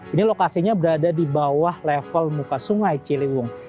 ini lokasinya berada di bawah level muka sungai ciliwung